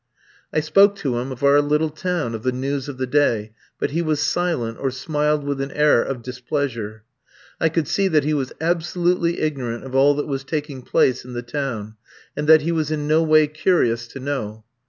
I spoke to him of our little town, of the news of the day, but he was silent, or smiled with an air of displeasure. I could see that he was absolutely ignorant of all that was taking place in the town, and that he was in no way curious to know.